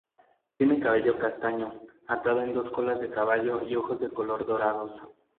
Tiene cabello castaño, atado en dos colas de caballo y ojos de color dorados.